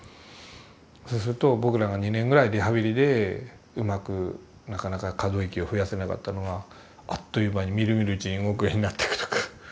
そうすると僕らが２年ぐらいリハビリでうまくなかなか可動域を増やせなかったのがあっという間にみるみるうちに動くようになっていくとか。